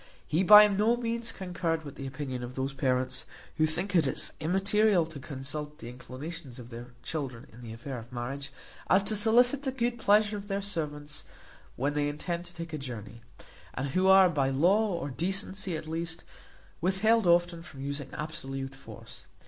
He by no means concurred with the opinion of those parents, who think it as immaterial to consult the inclinations of their children in the affair of marriage, as to solicit the good pleasure of their servants when they intend to take a journey; and who are by law, or decency at least, withheld often from using absolute force.